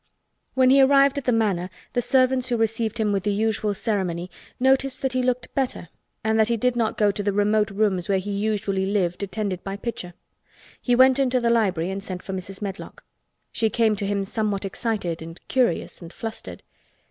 When he arrived at the Manor the servants who received him with the usual ceremony noticed that he looked better and that he did not go to the remote rooms where he usually lived attended by Pitcher. He went into the library and sent for Mrs. Medlock. She came to him somewhat excited and curious and flustered.